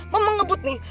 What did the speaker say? mama ngebut nih